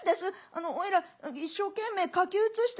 あのおいら一生懸命書き写してて。